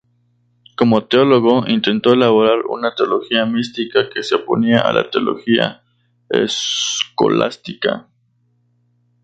Como teólogo, intentó elaborar una teología mística que se oponía a la teología escolástica.